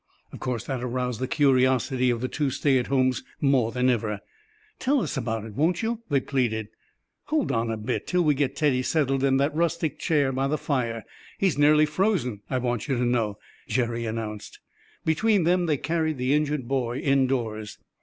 Of course that aroused the curiosity of the two stay at homes more than ever. "Tell us about it, won't you?" they pleaded. "Hold on a bit, till we get Teddy settled in that rustic chair by the fire. He's nearly frozen, I want you to know," Jerry announced. Between them they carried the injured boy indoors.